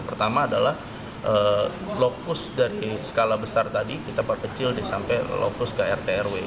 pertama adalah lokus dari skala besar tadi kita perkecil deh sampai lokus ke rtrw